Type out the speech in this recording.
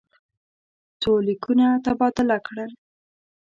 څو لیکونه تبادله کړل.